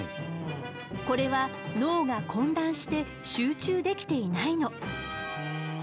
これは脳が混乱して集中できていないの。